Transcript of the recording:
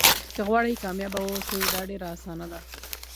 که غواړئ کامیابه واوسئ دا ډېره اسانه ده.